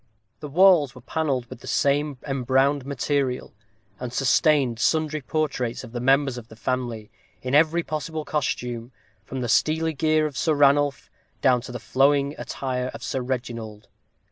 The walls were panelled with the same embrowned material, and sustained sundry portraits of the members of the family, in every possible costume, from the steely gear of Sir Ranulph, down to the flowing attire of Sir Reginald.